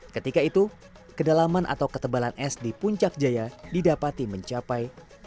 ketika itu kedalaman atau ketebalan es di puncak jaya didapati mencapai tiga puluh dua meter